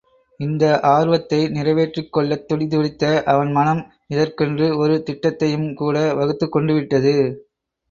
இந்த ஆர்வத்தை நிறைவேற்றிக் கொள்ளத் துடிதுடித்த அவன் மனம், இதற்கென்று ஒரு திட்டத்தையும் கூட வகுத்துக் கொண்டுவிட்டது.